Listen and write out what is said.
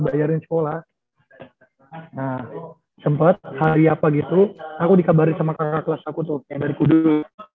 bayarin sekolah nah sempat hari apa gitu aku dikabarin sama kakak kelas aku tuh yang dari kudu